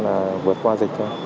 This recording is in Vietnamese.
là vượt qua dịch thôi